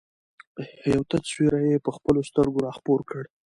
یو تت سیوری یې په خپلو سترګو را خپور کړ.